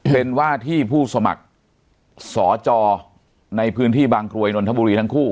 เป็นว่าที่ผู้สมัครสจในพื้นที่บางกรวยนนทบุรีทั้งคู่